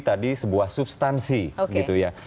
tadi sebuah substansi gitu ya